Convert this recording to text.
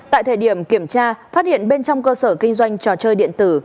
tại thời điểm kiểm tra phát hiện bên trong cơ sở kinh doanh trò chơi điện tử